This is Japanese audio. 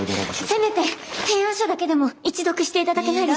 せめて提案書だけでも一読していただけないでしょうか？